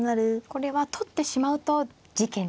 これは取ってしまうと事件ですか。